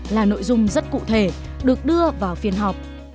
là nội dung rất cụ thể được đưa vào phiên họp